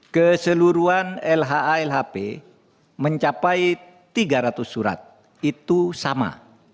keseluruhan lha lhp mencapai tiga ratus surat itu sama